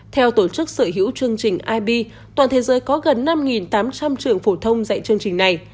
theo tổ chức sở hữu chương trình ib toàn thế giới có gần năm tám trăm linh trường phổ thông dạy chương trình này